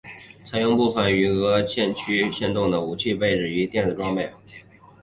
采用部分与俄制现代级驱逐舰相同的武器系统以及电子设备。